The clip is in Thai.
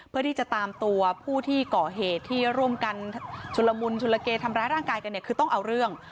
เพื่อที่จะตามตัวผู้ที่ก่อเหตุที่ร่วมกันชุลมุนชุลเกทำร้ายร่างกายกันเนี่ยคือต้องเอาเรื่อง